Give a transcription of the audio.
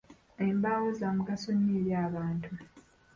Embaawo za mugaso nnyo eri abantu.